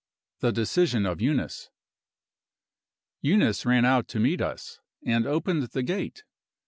THE DECISION OF EUNICE. Eunice ran out to meet us, and opened the gate.